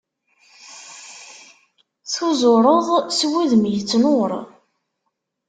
Tuzureḍ s wudem yettnur.